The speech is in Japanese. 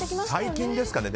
最近ですかね。